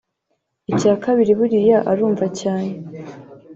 icya kabiri buriya arumva cyane